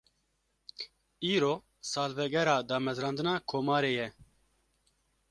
Îro, salvegera damezrandina Komarê ye